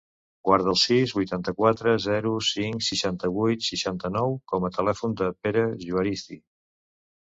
Guarda el sis, vuitanta-quatre, zero, cinc, seixanta-vuit, seixanta-nou com a telèfon del Pere Juaristi.